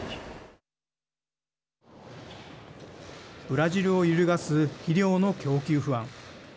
ブラジルを揺るがす肥料の供給不安。